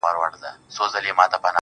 شعرونه دي هر وخت د ملاقات راته وايي,